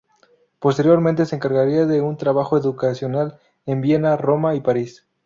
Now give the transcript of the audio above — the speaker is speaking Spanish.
Posteriormente se encargaría de un trabajo educacional en Viena, Roma y París.